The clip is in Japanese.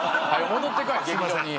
戻ってこい劇場に。